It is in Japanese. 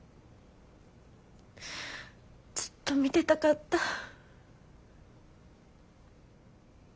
ずっと見てたかった。